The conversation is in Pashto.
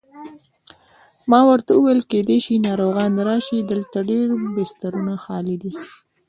ما ورته وویل: کېدای شي ناروغان راشي، دلته ډېر بسترونه خالي دي.